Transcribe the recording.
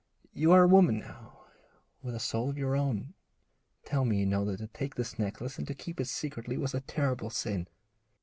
You are a woman now, with a soul of your own; tell me you know that to take this necklace and to keep it secretly was a terrible sin.'